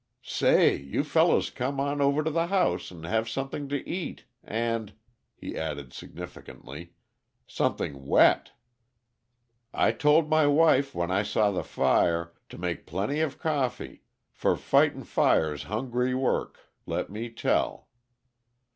"Say! you fellows come on over to the house and have something to eat and," he added significantly, "something wet. I told my wife, when I saw the fire, to make plenty of coffee, for fighting fire's hungry work, let me tell.